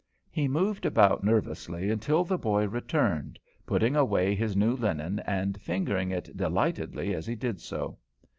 He moved about nervously until the boy returned, putting away his new linen and fingering it delightedly as he did so.